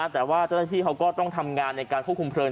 แต่ว่าเจ้าหน้าที่เขาก็ต้องทำงานในการควบคุมเลิง